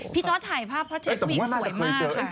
พี่จอดถ่ายภาพเขาเพราะเทปคุณหญิงสวยมาก